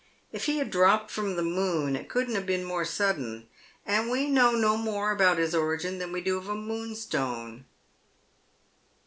If he had dropped from the moon it couldn't have been more sudden, and we know no more about his origin than we do of a moonstone."